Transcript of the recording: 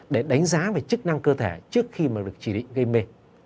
để đánh giá về chức năng cơ thể trước khi mà được chỉ định gây mê